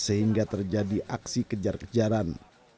sehingga terjadi aksi kejar kejaran